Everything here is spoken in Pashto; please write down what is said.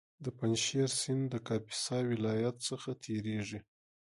د پنجشېر سیند د کاپیسا ولایت څخه تېرېږي